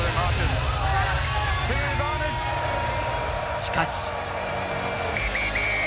しかし。